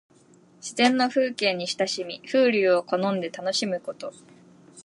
自然の風景に親しみ、風流を好んで楽しむこと。